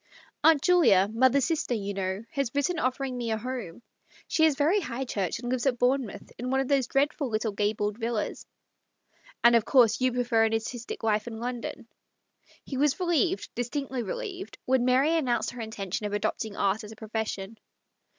" Aunt Julia — mother's sister, you know— has written, offering me a home. But she is very High Church, and lives at Bourne mouth in one of those dreadful little gabled villas." " And of course you prefer an artistic life 74 THE STORY OF A MODERN WOMAN. in London." He was relieved, distinctly relieved, when Mary announced her intention of adopting art as a profession.